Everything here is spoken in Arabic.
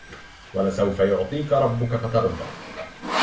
ولسوف يعطيك ربك فترضى